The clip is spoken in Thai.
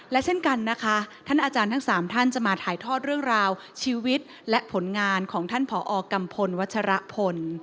และเช่นกันนะคะท่านอาจารย์ทั้ง๓ท่านจะมาถ่ายทอดเรื่องราวชีวิตและผลงานของท่านผอกัมพลวัชรพล